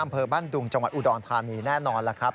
อำเภอบ้านดุงจังหวัดอุดรธานีแน่นอนล่ะครับ